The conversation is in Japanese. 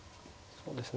そうですね。